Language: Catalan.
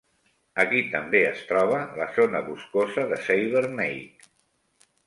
Aquí també es troba la zona boscosa de Savernake.